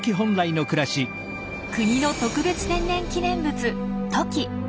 国の特別天然記念物トキ。